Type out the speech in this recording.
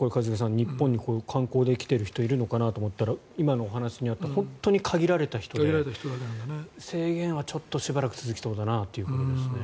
日本に観光に来ている人がいるのかと思ったら今のお話にあった本当に限られた人で制限はちょっとしばらく続きそうだなということですね。